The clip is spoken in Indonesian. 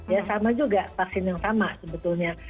ya sama juga vaksin yang sama sebetulnya